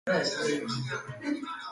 Alabak ez du aita onartzen.